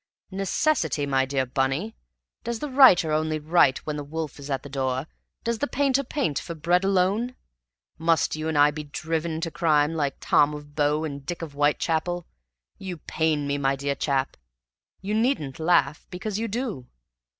"Necessity, my dear Bunny? Does the writer only write when the wolf is at the door? Does the painter paint for bread alone? Must you and I be DRIVEN to crime like Tom of Bow and Dick of Whitechapel? You pain me, my dear chap; you needn't laugh, because you do.